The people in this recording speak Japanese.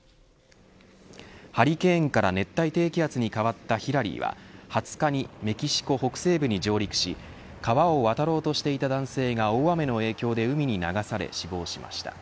ハリケーンから熱帯低気圧に変わったヒラリーは２０日にメキシコ北西部に上陸し川を渡ろうとしていた男性が大雨の影響で海に流され死亡しました。